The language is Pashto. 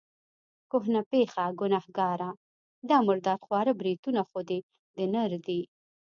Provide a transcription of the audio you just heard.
کهنه پېخه، ګنهګاره، دا مردار خواره بریتونه خو دې د نر دي.